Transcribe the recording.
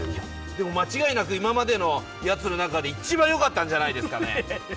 でも間違いなく、今までのやつの中で一番よかったんじゃないですかね！